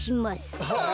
はあ！？